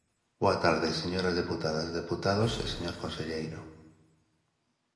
Boa tarde, señoras deputadas, deputados, e señor conselleiro.